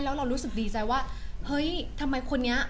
เราเกรงใจเขามาก